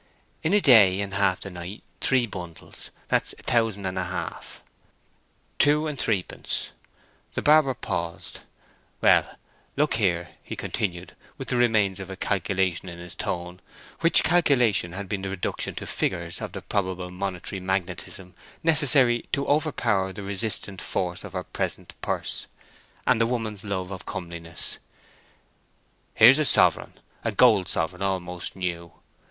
"In a day and half the night, three bundles—that's a thousand and a half." "Two and threepence." The barber paused. "Well, look here," he continued, with the remains of a calculation in his tone, which calculation had been the reduction to figures of the probable monetary magnetism necessary to overpower the resistant force of her present purse and the woman's love of comeliness, "here's a sovereign—a gold sovereign, almost new."